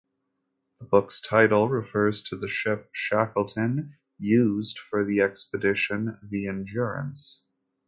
The book's title refers to the ship Shackleton used for the expedition, the "Endurance".